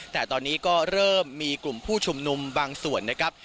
แต่ตอนนี้ก็เริ่มมีกลุ่มผู้ชุมนุมบางส่วนนะครับ